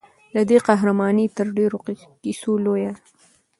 د دې قهرماني تر ډېرو کیسو لویه ده.